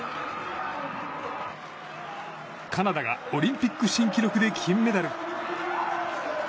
カナダがオリンピック新記録で金メダル。